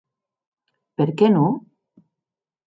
Per qué non?